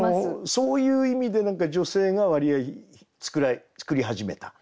そういう意味で女性が割合作り始めた。